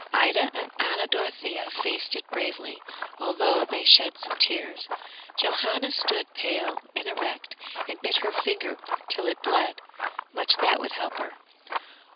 Ida and Anna Dorothea faced it bravely, although they shed some tears; Johanna stood pale and erect and bit her finger till it bled! Much that would help her!